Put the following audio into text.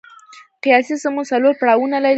قیاسي سمون څلور پړاوونه لري.